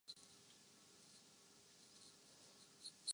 ہم ایسے سادہ دلوں کی نیاز مندی سے